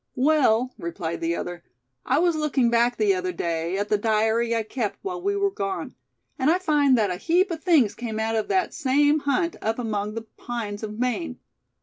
"Well," replied the other, "I was looking back the other day, at the diary I kept while we were gone; and I find that a heap of things came out of that same hunt up among the pines of Maine.